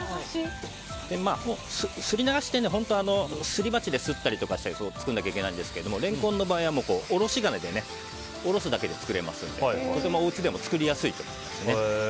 すりながしって本当はすり鉢で、すったりして作らなきゃいけないんですけどレンコンはおろし金でおろすだけで作れますのでお家でも作りやすいと思います。